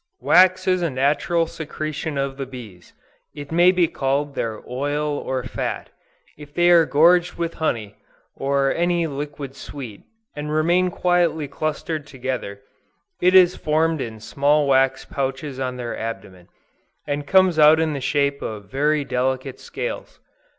Wax is a natural secretion of the bees; it may be called their oil or fat. If they are gorged with honey, or any liquid sweet, and remain quietly clustered together, it is formed in small wax pouches on their abdomen, and comes out in the shape of very delicate scales.